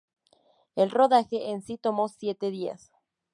El rodaje en si tomó siete días.